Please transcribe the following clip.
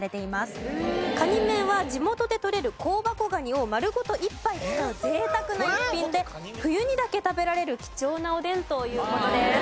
カニ面は地元でとれる香箱ガニを丸ごと一杯使う贅沢な一品で冬にだけ食べられる貴重なおでんという事です。